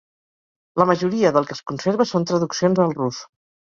La majoria del que es conserva són traduccions al rus.